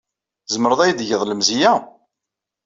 Tzemreḍ ad iyi-d-tgeḍ lemzeyya?